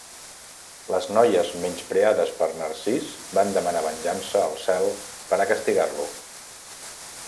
Les noies menyspreades per Narcís van demanar venjança al cel per a castigar-lo.